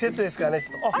あっ。